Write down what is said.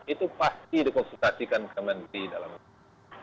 itu pasti dikonsultasikan ke menteri dalam negeri